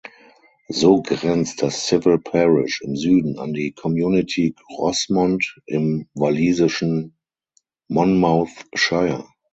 So grenzt das Civil Parish im Süden an die Community Grosmont im walisischen Monmouthshire.